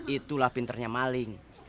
itulah pinternya maling